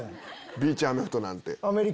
ビーチアメフトなんて。